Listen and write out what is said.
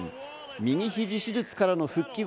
右肘手術からの復帰後